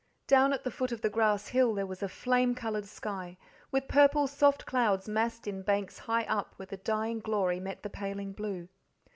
Down at the foot of the grass hill there was a flame coloured sky, with purple, soft clouds massed in banks high up where the dying glory met the paling blue.